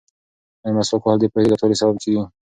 ایا مسواک وهل د پوهې د زیاتوالي سبب کیږي؟